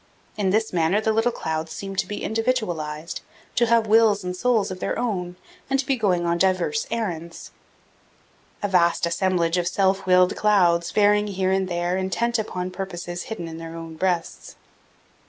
In this manner the little clouds seem to be individualized, to have wills and souls of their own, and to be going on diverse errands a vast assemblage of self willed clouds, faring here and there, intent upon purposes hidden in their own breasts.